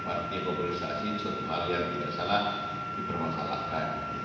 karena itu kan partai koordinasi soal hal yang tidak salah dipermasalahkan